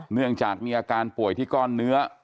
เนื่องจากมีอาการป่วยที่ก้อนเนื้อ